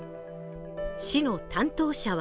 市の担当者は